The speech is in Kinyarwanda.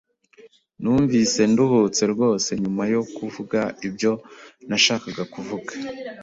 Numvise nduhutse rwose nyuma yo kuvuga ibyo nashakaga kuvuga.